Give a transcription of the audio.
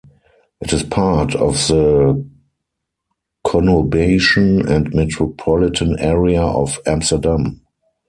It is part of the conurbation and metropolitan area of Amsterdam.